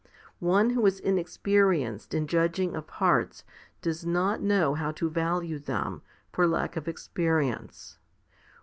One who is inexperienced in judging of hearts does not know how to value them, for lack of experience.